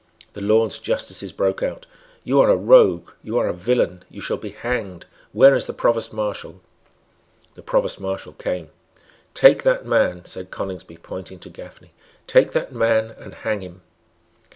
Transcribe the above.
The Lords justices broke out; "You are a rogue; You are a villain; You shall be hanged; Where is the Provost Marshal?" The Provost Marshal came. "Take that man," said Coningsby, pointing to Gafney; "take that man, and hang him."